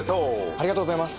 ありがとうございます。